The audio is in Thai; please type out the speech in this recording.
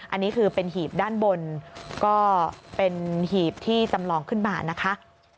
อันนี้คือเป็นหีบด้านบนก็เป็นหีบที่จำลองขึ้นมานะคะ